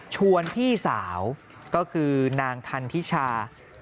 พี่สาวก็คือนางทันทิชา